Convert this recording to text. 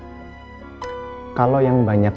sayaralah selesai sudah jumpa